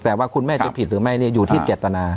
แต่ว่าคุณแม่จะผิดหรือไม่อยู่ที่เจตนา